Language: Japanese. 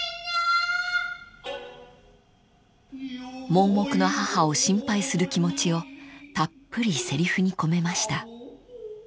［盲目の母を心配する気持ちをたっぷりせりふに込めました］